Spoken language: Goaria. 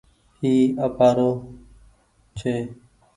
اي آپ آرو ڇي